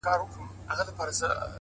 • له هر چا یې پټه کړې مدعا وه ,